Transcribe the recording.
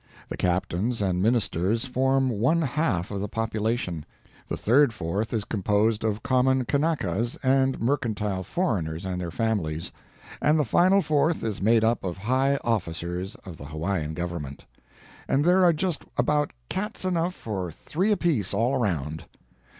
The captains and ministers form one half of the population; the third fourth is composed of common Kanakas and mercantile foreigners and their families; and the final fourth is made up of high officers of the Hawaiian Government. And there are just about cats enough for three apiece all around.